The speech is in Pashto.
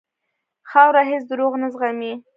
خاوره هېڅ دروغ نه زغمي.